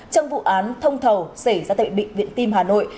trong vụ án thông thầu xảy ra tại bệnh viện tim hà nội